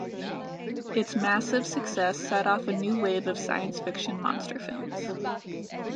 Its massive success set off a new wave of science-fiction monster films.